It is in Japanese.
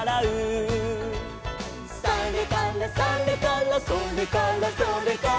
「それからそれからそれからそれから」